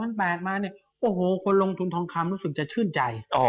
ตั้งแต่๒๐๐๘มาคนลงทุนทองคำรู้สึกจะชื่นใจ